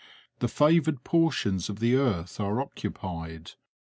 The favoured portions of the earth are occupied.